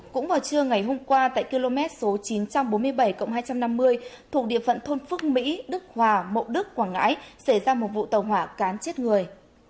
cũng vào trưa ngày hôm qua tại km số chín trăm bốn mươi bảy hai trăm năm mươi thuộc địa phận thôn phước mỹ đức hòa mậu đức quảng ngãi xảy ra một vụ tàu hỏa cán chết người